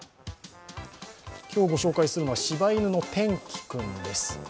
今日ご紹介するのはしば犬の天気君です。